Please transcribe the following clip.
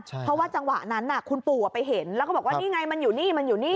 เพราะว่าจังหวะนั้นน่ะคุณผู้ชมไปเห็นแล้วก็บอกว่านี่ไงมันอยู่นี่